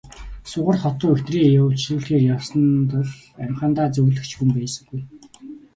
Сугар хот руу эхнэрээ эмчлүүлэхээр явсан тул амьхандаа зөвлөх ч хүн байсангүй.